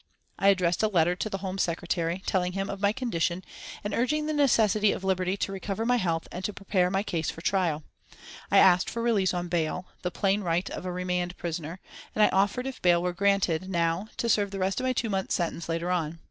I addressed a letter to the Home Secretary, telling him of my condition, and urging the necessity of liberty to recover my health and to prepare my case for trial. I asked for release on bail, the plain right of a remand prisoner, and I offered if bail were granted now to serve the rest of my two months' sentence later on.